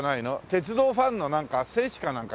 鉄道ファンのなんか聖地かなんかじゃない？